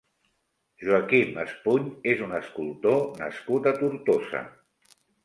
Joaquim Espuny és un escultor nascut a Tortosa.